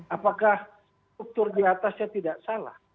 apakah struktur di atasnya tidak salah